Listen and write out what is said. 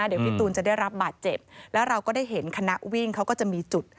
เดี๋ยวพี่ตูนจะได้รับบาดเจ็บแล้วเราก็ได้เห็นคณะวิ่งเขาก็จะมีจุด